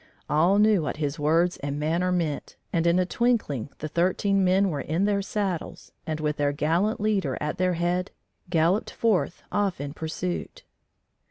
All knew what his words and manner meant, and in a twinkling the thirteen men were in their saddles, and, with their gallant leader at their head, galloped forth off in pursuit.